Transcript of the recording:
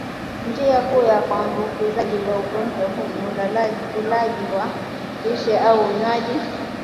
Njia kuu ya uambukizaji wa ugonjwa huu ni ulaji wa lishe au unywaji